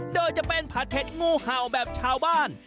โดยจะเป็นผัดเผ็ดงูเห่าแบบชาวบ้าน